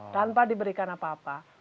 tanpa diberikan apa apa